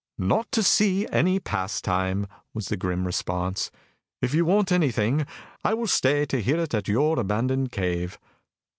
"Not to see any pastime," was the grim response. "If you want anything, I will stay to hear it at your abandoned cave."